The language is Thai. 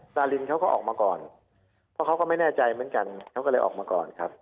ตาลินเขาก็ออกมาก่อนเพราะเขาก็ไม่แน่ใจเหมือนกันเขาก็เลยออกมาก่อนครับ